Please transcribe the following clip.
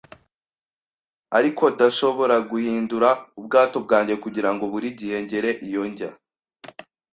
ariko ndashobora guhindura ubwato bwanjye kugirango buri gihe ngere iyo njya.